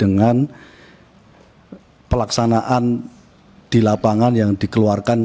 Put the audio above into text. dengan pelaksanaan di lapangan yang dikeluarkan